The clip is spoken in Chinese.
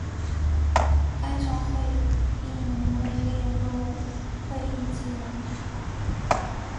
该照会并未列入会议记文。